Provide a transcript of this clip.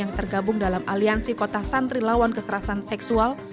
yang tergabung dalam aliansi kota santri lawan kekerasan seksual